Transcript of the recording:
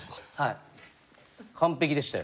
完璧でしたよ。